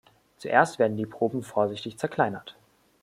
Zuerst werden die Proben vorsichtig zerkleinert.